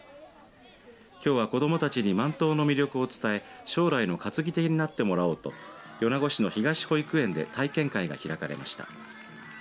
きょうは子どもたちに万灯の魅力を伝え将来の担ぎ手になってもらおうと米子市の東保育園で体験会が開かれました。